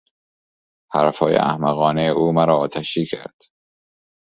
حرفهای احمقانهی او مرا آتشی کرد.